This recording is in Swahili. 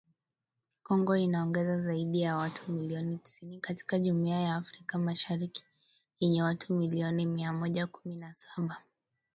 Kongo inaongeza zaidi ya watu milioni tisini katika Jumuiya ya Afrika Mashariki yenye watu milioni mia moja kumi na saba